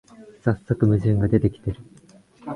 さっそく矛盾が出てきてる